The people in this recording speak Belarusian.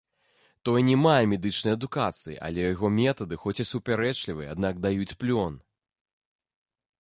Той не мае медычнай адукацыі, але яго метады хоць і супярэчлівыя, аднак даюць плён.